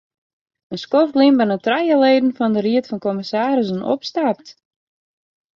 In skoft lyn binne trije leden fan de ried fan kommissarissen opstapt.